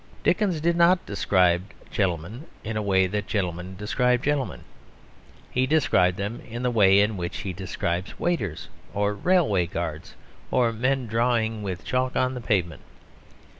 Dickens did not describe gentlemen in the way that gentlemen describe gentlemen. He described them in the way in which he described waiters, or railway guards, or men drawing with chalk on the pavement.